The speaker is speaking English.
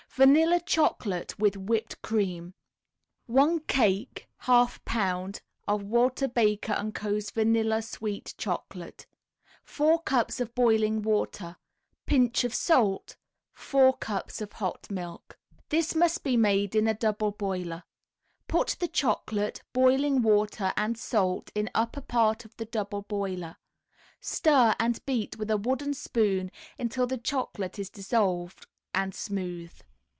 VANILLA CHOCOLATE WITH WHIPPED CREAM One cake (1/2 a pound) of Walter Baker & Co.'s Vanilla Sweet Chocolate, 4 cups of boiling water, Pinch of salt, 4 cups of hot milk. This must be made in a double boiler. Put the chocolate, boiling water and salt in upper part of the double boiler. Stir and beat with a wooden spoon until the chocolate is dissolved and smooth.